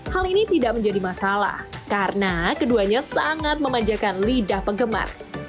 hal ini tidak menjadi masalah karena keduanya sangat memanjakan lidah penggemar